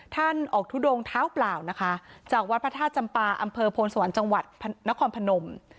ท่านออกทุดงเท้าเปล่านะคะจากวัดพระธาตุจำปาอำเภอโพนสวรรค์จังหวัดนครพนม